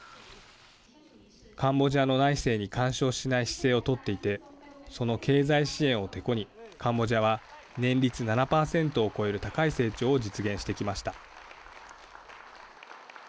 カンボジアの内政に干渉しない姿勢を取っていてその経済支援を、てこにカンボジアは年率７％を超える高い成長を実現してきました。